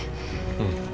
うん